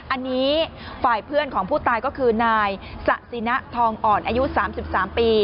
อันนี้ฝ่ายเพื่อนของผู้ตายก็คือนายสะสินะทองอ่อนอายุ๓๓ปี